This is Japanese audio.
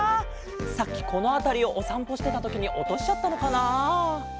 さっきこのあたりをおさんぽしてたときにおとしちゃったのかな。